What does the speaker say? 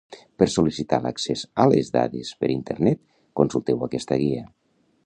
Per sol·licitar l'accés a les dades per internet consulteu aquesta Guia.